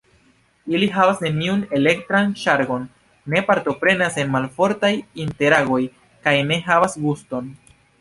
Ili havas neniun elektran ŝargon, ne partoprenas en malfortaj interagoj kaj ne havas guston.